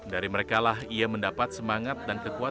dari merekalah ia mendapat semangat kemampuan dan kemampuan